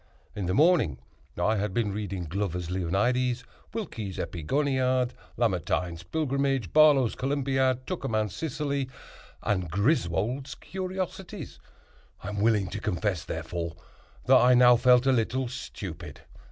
In the morning I had been reading Glover's "Leonidas," Wilkie's "Epigoniad," Lamartine's "Pilgrimage," Barlow's "Columbiad," Tuckermann's "Sicily," and Griswold's "Curiosities"; I am willing to confess, therefore, that I now felt a little stupid.